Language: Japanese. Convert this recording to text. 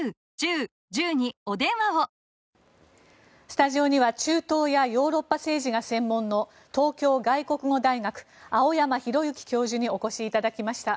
スタジオには中東やヨーロッパ政治が専門の東京外国語大学、青山弘之教授にお越しいただきました。